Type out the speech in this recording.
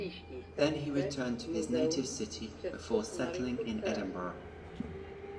He then returned to his native city, before settling in Edinburgh.